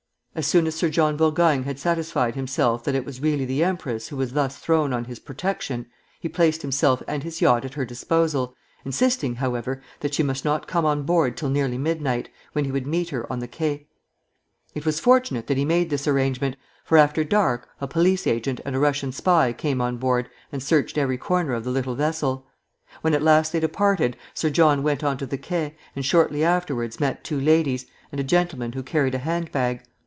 As soon as Sir John Burgoyne had satisfied himself that it was really the empress who was thus thrown on his protection, he placed himself and his yacht at her disposal, insisting, however, that she must not come on board till nearly midnight, when he would meet her on the quai. It was fortunate that he made this arrangement, for, after dark, a police agent and a Russian spy came on board and searched every corner of the little vessel. When at last they departed, Sir John went on to the quai, and shortly afterwards met two ladies, and a gentleman who carried a hand bag.